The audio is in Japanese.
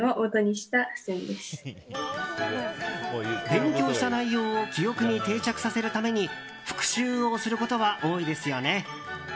勉強した内容を記憶に定着させるために復習をすることは多いですよね。